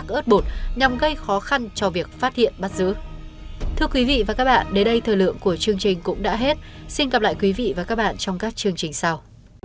cảm ơn quý vị và các bạn trong các chương trình sau